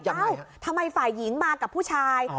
เอ้าทำไมฝ่ายหญิงมากับผู้ชาย